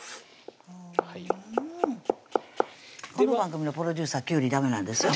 うんこの番組のプロデューサーきゅうりダメなんですよ